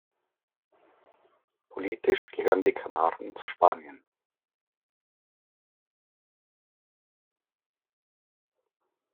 Politisch gehören die Kanaren zu Spanien.